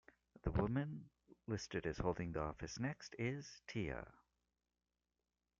The woman listed as holding the office next is, Tiaa.